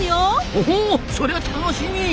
ほほうそりゃ楽しみ！